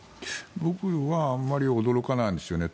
僕はあまり驚かないんですよね。